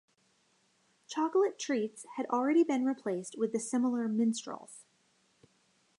Chocolate Treets had already been replaced with the similar Minstrels.